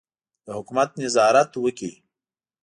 د حکومت نظارت وکړي.